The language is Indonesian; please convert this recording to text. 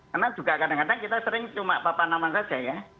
karena juga kadang kadang kita sering cuma bapak nama saja ya